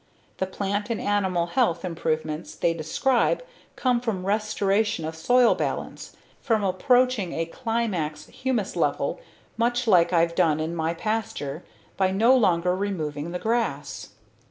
The plant and animal health improvements they describe come from restoration of soil balance, from approaching a climax humus level much like I've done in my pasture by no longer removing the grass.